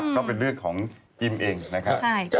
ก็เป็นเลือดของจิ้มเองนะคะ